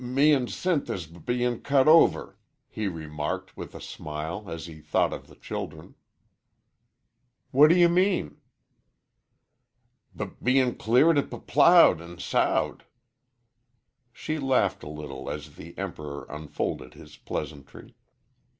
"M me an' Sinth is b bein' cut over," here marked, with a smile, as he thought of the children. "What do you mean?" "B bein' cleared an' p ploughed an' sowed." She laughed a little as the Emperor unfolded his pleasantry.